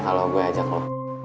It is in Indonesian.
kalau gue ajak lo